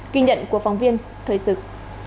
kinh nhận của phóng viên thời dực